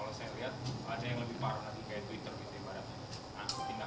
atau kasus lagi unggah